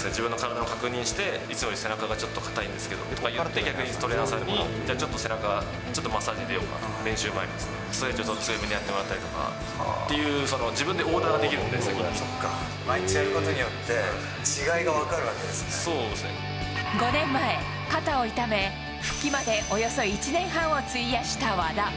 自分の体を確認して、いつもより背中がちょっと固いんですけどというときは、トレーナーさんにじゃあちょっと、背中、マッサージ入れようか、練習前のストレッチを強めにやってもらったりとかっていう自分で毎日やることによって、そうですね。５年前、肩を痛め、復帰までおよそ１年半を費やした和田。